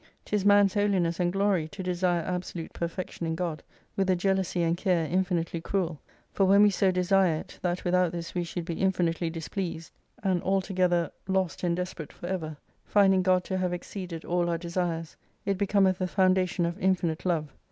'Tis man's holiness and glory to desire absolute perfection in God, with a jealousy and care infinitely cruel : for when we so desire it, that without this we should be infinitely displeased, and altogether 138 lost and desperate for ever: finding God to have exceeded all our desires : it becometh the foundation of infinite Love.